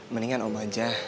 mendingan om aja